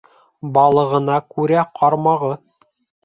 Балығына күрә ҡармағы.